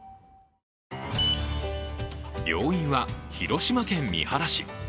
病院は広島県三原市。